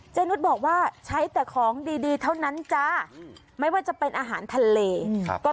นุษย์บอกว่าใช้แต่ของดีดีเท่านั้นจ้าไม่ว่าจะเป็นอาหารทะเล